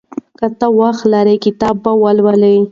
که ته وخت لرې کتاب ولوله.